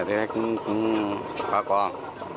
thì bác cũng có con